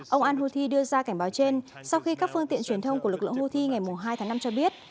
ông al houthi đưa ra cảnh báo trên sau khi các phương tiện truyền thông của lực lượng houthi ngày hai tháng năm cho biết